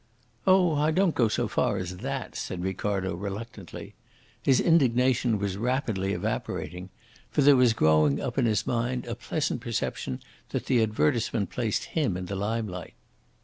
"Oh, I don't go so far as that," said Ricardo reluctantly. His indignation was rapidly evaporating. For there was growing up in his mind a pleasant perception that the advertisement placed him in the limelight.